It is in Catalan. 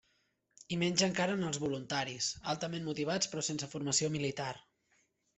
I menys encara en els voluntaris, altament motivats però sense formació militar.